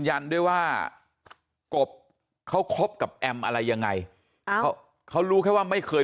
ยันด้วยว่ากบเขาคบกับแอมอะไรยังไงเขารู้แค่ว่าไม่เคย